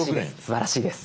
すばらしいです